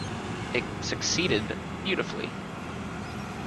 It succeeded beautifully.